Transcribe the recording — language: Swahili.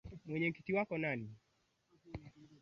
uduni Kama Mwislamu na Mturuki moyoni anajiona kuwa